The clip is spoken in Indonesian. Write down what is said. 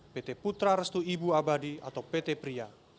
pt putra restu ibu abadi atau pt pria